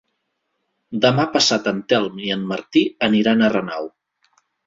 Demà passat en Telm i en Martí aniran a Renau.